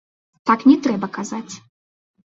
Так не трэба казаць.